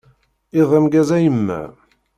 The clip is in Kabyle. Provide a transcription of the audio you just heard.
Iḍ ameggaz a yemma.